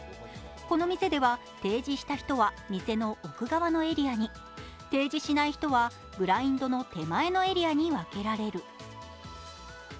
この店では提示した人は店の奥側のエリアに、提示しない人は、ブラインドの手前のエリアに分けられる。